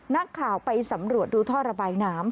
นักข่าวไปสำรวจดูท่อระบายน้ำ